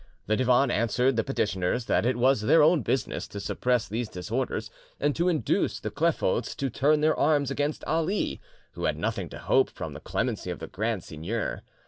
The Divan answered the petitioners that it was their own business to suppress these disorders, and to induce the Klephotes to turn their arms against Ali, who had nothing to hope from the clemency of the Grand Seigneur.